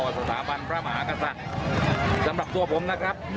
สำหรับตัวผมนะครับ